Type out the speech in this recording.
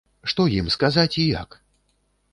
Што ім сказаць і як?